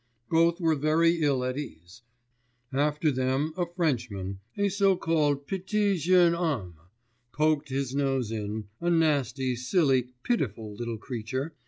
both were very ill at ease; after them a Frenchman a so called petit jeune homme poked his nose in; a nasty, silly, pitiful little creature